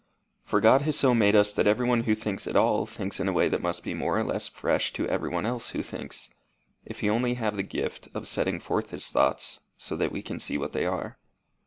For God has so made us that everyone who thinks at all thinks in a way that must be more or less fresh to everyone else who thinks, if he only have the gift of setting forth his thoughts so that we can see what they are.